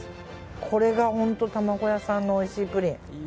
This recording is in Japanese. これが本当卵屋さんのおいしいプリン。